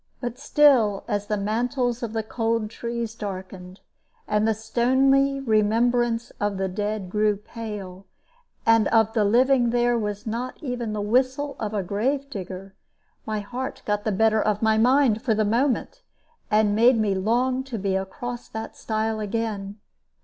But still, as the mantles of the cold trees darkened, and the stony remembrance of the dead grew pale, and of the living there was not even the whistle of a grave digger my heart got the better of my mind for a moment, and made me long to be across that stile again.